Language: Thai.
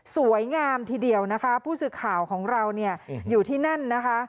สวยงามทีเดียวนะคะผู้สื่อข่าวของเราเนี่ยอยู่ที่นั่นนะคะ